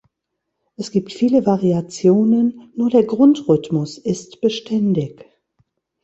Es gibt viele Variationen, nur der Grundrhythmus ist beständig.